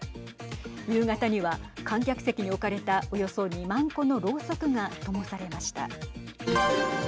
夕方には観客席に置かれたおよそ２万個のろうそくが、ともされました。